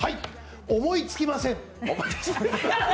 思いつきません！